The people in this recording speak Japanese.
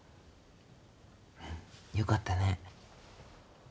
よかったね。